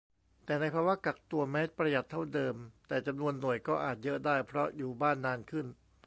แต่ในภาวะกักตัว แม้ประหยัดเท่าเดิม แต่จำนวนหน่วยก็อาจเยอะได้ เพราะอยู่บ้านนานขึ้น